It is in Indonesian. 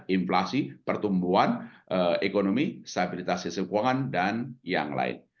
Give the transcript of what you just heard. inflasi pertumbuhan ekonomi stabilitas sistem keuangan dan yang lain